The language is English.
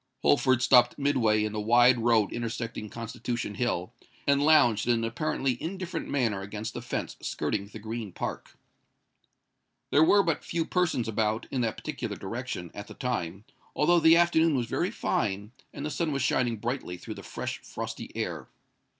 Holford stopped midway in the wide road intersecting Constitution Hill, and lounged in an apparently indifferent manner against the fence skirting the Green Park. There were but few persons about, in that particular direction, at the time,—although the afternoon was very fine, and the sun was shining brightly through the fresh, frosty air.